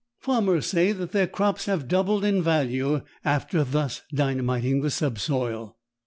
Farmers say that their crops have doubled in value after thus dynamiting the subsoil.